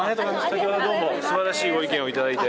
先ほどはどうもすばらしいご意見を頂いて。